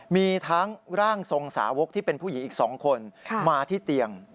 มีทั้งร่างทรงสาวกที่เป็นผู้หญิงอีก๒คนมาที่เตียง